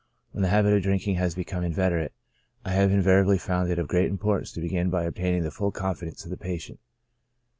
When the habit of drinking has become inveterate, I have invari ably found it of great importance to begin by obtaining the full confidence of the patient.